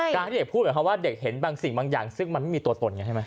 การที่เด็กพูดหมายความว่าเด็กเห็นบางสิ่งบางอย่างซึ่งมันไม่มีตัวตนไงใช่ไหม